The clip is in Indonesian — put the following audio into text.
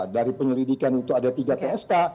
dari penyelidikan itu ada tiga tsk